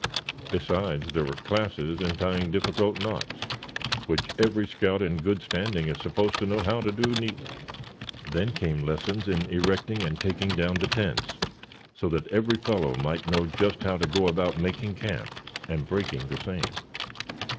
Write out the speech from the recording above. Besides there were classes in tying difficult knots, which every scout in good standing is supposed to know how to do neatly. Then came lessons in erecting and taking down the tents, so that every fellow might know just how to go about making camp, and breaking the same.